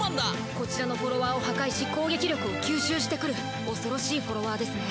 こちらのフォロワーを破壊し攻撃力を吸収してくる恐ろしいフォロワーですね。